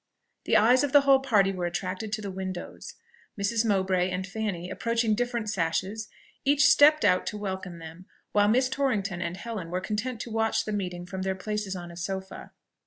The eyes of the whole party were attracted to the windows. Mrs. Mowbray and Fanny, approaching different sashes, each stepped out to welcome them; while Miss Torrington and Helen were content to watch the meeting from their places on a sofa.